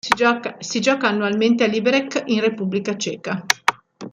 Si gioca annualmente a Liberec in Repubblica Ceca.